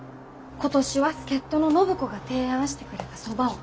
今年は助っ人の暢子が提案してくれたそばを。